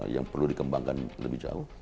yang perlu dikembangkan lebih jauh